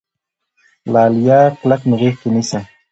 لاليه کلک مې غېږ کې نيسه